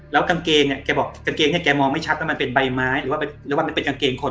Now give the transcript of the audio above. แล้วกางเกงนี่แกบอกแกมองไม่ชัดว่ามันเป็นใบไม้หรือว่ามันเป็นกางเกงคน